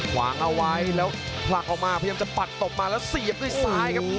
ขวางเอาไว้แล้วผลักออกมาพยายามจะปัดตบมาแล้วเสียบด้วยซ้ายครับ